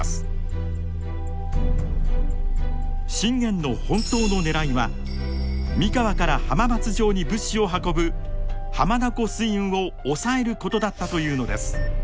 信玄の本当のねらいは三河から浜松城に物資を運ぶ浜名湖水運を押さえることだったというのです。